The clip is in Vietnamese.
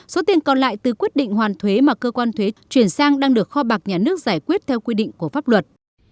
số tiền còn lại từ quyết định hoàn thuế mà cơ quan thuế chuyển sang đang được kho bạc nhà nước giải quyết theo quy định của pháp luật